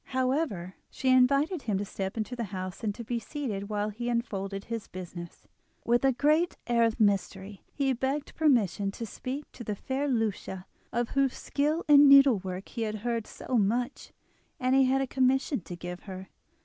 However, she invited him to step into the house and be seated while he unfolded his business. With a great air of mystery he begged permission to speak to the fair Lucia, of whose skill in needlework he had heard so much, as he had a commission to give her.